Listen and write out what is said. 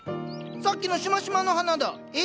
さっきのしましまの花だ。え？